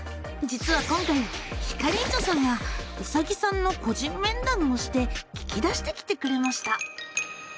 実は今回ひかりんちょさんがうさぎさんの「個人面談」をして聞き出してきてくれました。